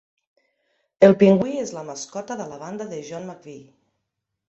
El pingüí és la mascota de la banda de John McVie.